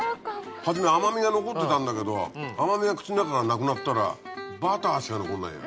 初め甘みが残ってたんだけど甘みが口の中からなくなったらバターしか残んないよ。